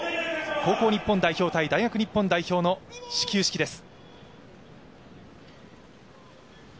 高校日本代表対大学日本代表の始球式です